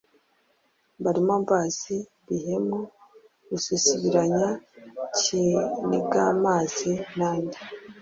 Mbarimombazi, Bihemu, Rusisibiranya, Kinigamazi n’andi.